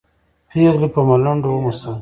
پېغلې په ملنډو وموسل.